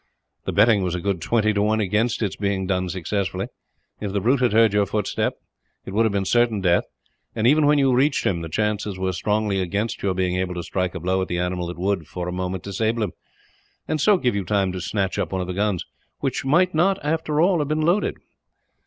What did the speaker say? "The betting was a good twenty to one against its being done successfully. If the brute had heard your footstep, it would have been certain death and, even when you reached him, the chances were strongly against your being able to strike a blow at the animal that would, for a moment, disable him; and so give you time to snatch up one of the guns which might not, after all, have been loaded.